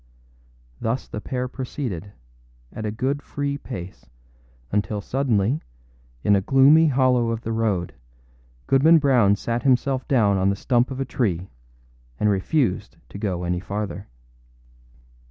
Thus the pair proceeded, at a good free pace, until suddenly, in a gloomy hollow of the road, Goodman Brown sat himself down on the stump of a tree and refused to go any farther.